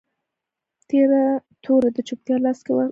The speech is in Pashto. تیره توره د چوپتیا لاس کي ولاړه